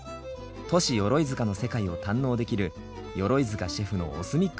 ＴｏｓｈｉＹｏｒｏｉｚｕｋａの世界を堪能できる鎧塚シェフのＯＳＭＩＣ